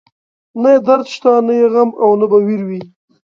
نه يې درد شته، نه يې غم او نه به وير وي